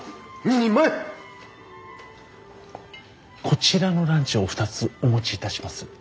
こちらのランチをお二つお持ちいたします。